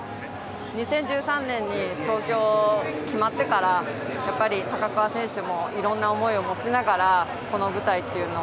２０１３年に東京に決まってから高桑選手もいろんな思いを持ちながらこの舞台というのを。